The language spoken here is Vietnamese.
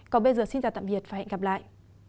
còn bây giờ xin chào tạm biệt và hẹn gặp lại